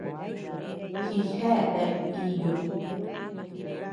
Jijea deabea iiyuu.